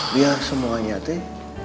biar semuanya tia